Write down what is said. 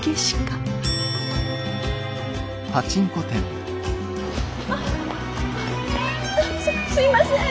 すっすいません。